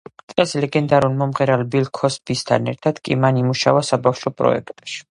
წელს ლეგენდარულ მომღერალ ბილ ქოსბისთან ერთად კი მან იმუშავა საბავშო პროექტზე.